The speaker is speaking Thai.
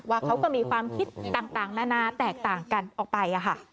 เขาก็มีความคิดต่างนานาแตกต่างกันออกไป